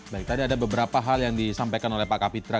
baik tadi ada beberapa hal yang disampaikan oleh pak kapitra